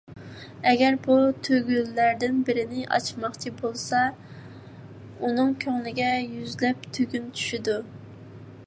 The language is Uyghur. ئەگەر بۇ تۈگۈنلەردىن بىرنى ئاچماقچى بولسا، ئۇنىڭ كۆڭلىگە يۈزلەپ تۈگۈن چۈشىدۇ.